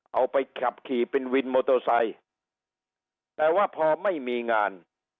เอาไปขับขี่เป็นวินมอเตอร์ไซค์แต่ว่าพอไม่มีงาน